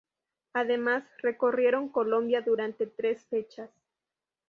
Además, recorrieron Colombia durante tres fechas.